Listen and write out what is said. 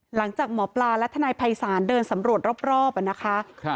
หลังจากหมอปลาและทนายภัยศาลเดินสำรวจรอบนะคะ